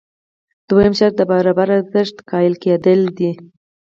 دویم شرط د برابر ارزښت قایل کېدل دي.